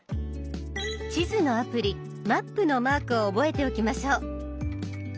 地図のアプリ「マップ」のマークを覚えておきましょう。